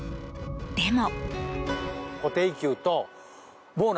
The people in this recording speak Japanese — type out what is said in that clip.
でも。